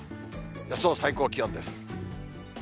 予想最高気温です。